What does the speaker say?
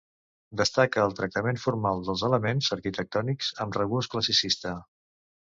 Destaca el tractament formal dels elements arquitectònics amb regust classicista.